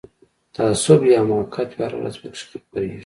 تعصب وي حماقت وي هره ورځ پکښی خپریږي